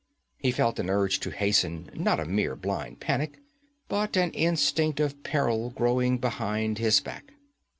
He felt an urge to hasten, not a mere blind panic, but an instinct of peril growing behind his back.